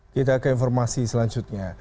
kita ke informasi selanjutnya